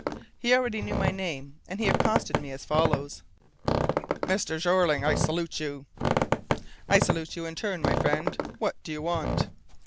He already knew my name, and he accosted me as follows: "Mr. Jeorling, I salute you." "I salute you in my turn, my friend. What do you want?"